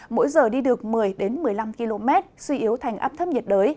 mỗi giờ đi được một mươi một mươi năm km suy yếu thành áp thấp nhiệt đới